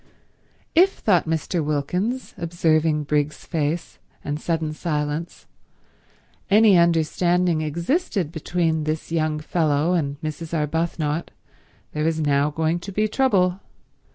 "If," thought Mr. Wilkins, observing Briggs's face and sudden silence, "any understanding existed between this young fellow and Mrs. Arbuthnot, there is now going to be trouble.